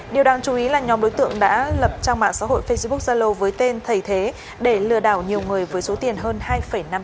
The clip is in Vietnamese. điều đáng chú ý là nhóm đối tượng đã lập trang mạng xã hội facebook zalo với tên thầy thế để lừa đảo nhiều người với số tiền hơn hai năm tỷ đồng